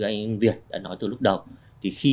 anh việt đã nói từ lúc đầu thì khi